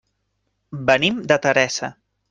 Venim de Teresa.